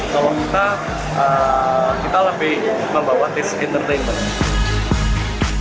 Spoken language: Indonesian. kalau kita kita lebih membawa tes entertainment